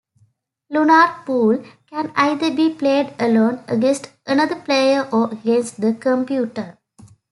"Lunar Pool" can either be played alone, against another player, or against the computer.